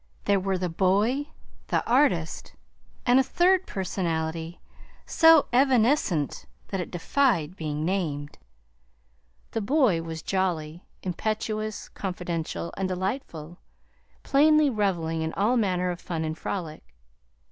There were the boy, the artist, and a third personality so evanescent that it defied being named. The boy was jolly, impetuous, confidential, and delightful plainly reveling in all manner of fun and frolic.